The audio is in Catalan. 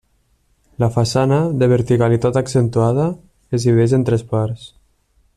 La façana, de verticalitat accentuada, es divideix en tres parts.